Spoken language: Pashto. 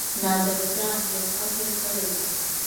نادرشاه یو قتل کړی وو.